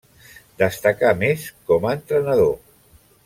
Destacà més com a entrenador.